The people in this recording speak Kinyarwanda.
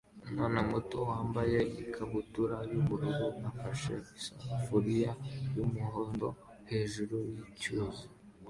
Umwana muto wambaye ikabutura yubururu afashe isafuriya yumuhondo hejuru yicyuzi